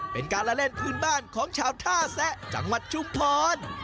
เป็นการละเล่นพื้นบ้านของชาวท่าแซะจังหวัดชุมพร